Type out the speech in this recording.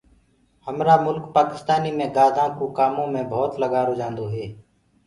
همرآ مُلڪ پاڪِستآنيٚ مي گآڌآ ڪو ڪآمو مي ڀوتَ لگآرو جآنٚدو هي